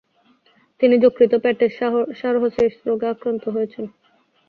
তিনি যকৃত ও পেটে সার্হোসিস রোগে আক্রান্ত হন।